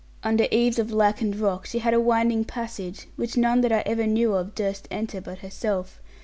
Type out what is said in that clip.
Under eaves of lichened rock she had a winding passage, which none that ever I knew of durst enter but herself.